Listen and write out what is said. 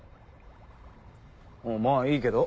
まあいいけど。